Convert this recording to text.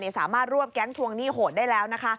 สามารถรวบแก๊งทวงหนี้โหดได้แล้วนะคะ